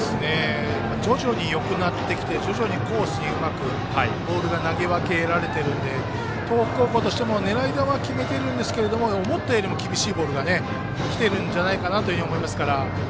徐々によくなってきて徐々にコースにうまくボールが投げ分けられているので東北高校としても狙い球を決めているんですけど思ったよりも厳しいボールが来てるんじゃないかと思います。